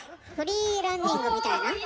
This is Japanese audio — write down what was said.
フリーランニングみたいな？